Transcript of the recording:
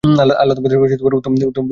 আল্লাহ তোমাদের উত্তম বিনিময় দান করুন।